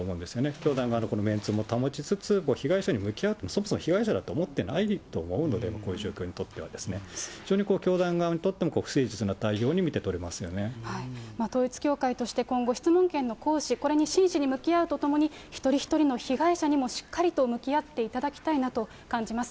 教団側のこのメンツも保ちつつ、そもそも被害者と思っていないと思うので、こういう状況にとっては、非常に教団側にとっても不誠統一教会として今後、質問権の行使、これに真摯に向き合うとともに、一人一人の被害者にもしっかりと向き合っていただきたいなと感じます。